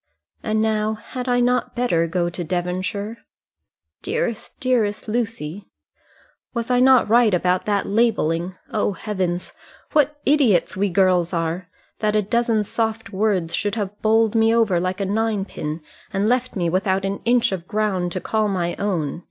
And, now, had I not better go to Devonshire?" "Dearest, dearest Lucy." "Was I not right about that labelling? O heavens! what idiots we girls are! That a dozen soft words should have bowled me over like a ninepin, and left me without an inch of ground to call my own.